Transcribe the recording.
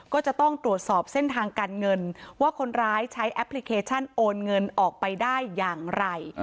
ก็จะต้องตรวจสอบเส้นทางการเงินว่าคนร้ายใช้แอปพลิเคชันโอนเงินออกไปได้อย่างไร